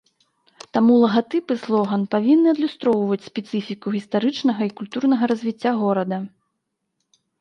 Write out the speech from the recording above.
Таму лагатып і слоган павінны адлюстроўваць спецыфіку гістарычнага і культурнага развіцця горада.